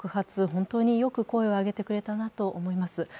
本当によく声を上げてくれたなと思います。